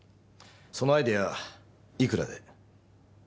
そのアイデアいくらで？